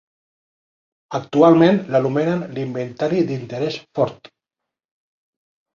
Actualment l'anomenen l'Inventari d'interès fort.